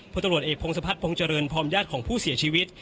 พอเอพสพจพยของผู้เสียชีวิต